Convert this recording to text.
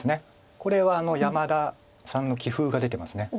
これは山田さんの棋風が出てます。